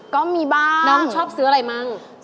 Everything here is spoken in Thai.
ก็มีบ้างน้องชอบซื้ออะไรบ้างนะครับ